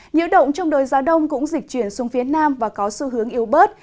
nhữ động trong đồi gió đông cũng dịch chuyển xuống phía nam và có xu hướng yếu bớt